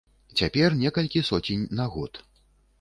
Цяпер некалькі соцень на год.